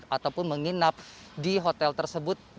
ataupun menginap di hotel tersebut